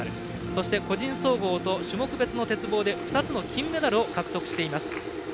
そして個人総合と種目別の鉄棒で２つの金メダルを獲得しています。